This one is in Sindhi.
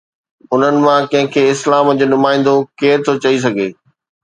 انهن مان ڪنهن کي اسلام جو نمائندو ڪير ٿو چئي سگهي؟